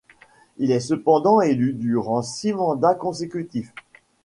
Il est cependant élu durant six mandats consécutifs.